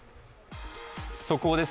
速報です。